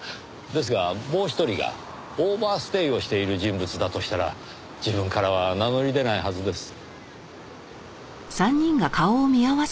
ですがもう一人がオーバーステイをしている人物だとしたら自分からは名乗り出ないはずです。